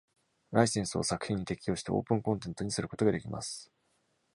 ライセンスを作品に適用して、オープンコンテントにすることができます。